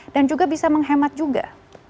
dan juga bisa menghemat juga